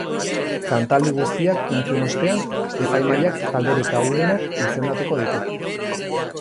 Kantaldi guztiak entzun ostean, epaimahaiak talderik ahulenak izendatuko ditu.